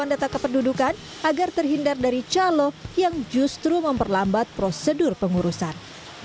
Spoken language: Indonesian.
jangan lupa untuk beri dukungan di baruan data kependudukan agar terhindar dari calok yang justru memperlambat prosedur pengurusan